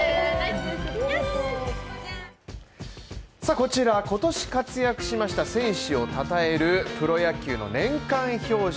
こちらは今年活躍しました選手をたたえるプロ野球の年間表彰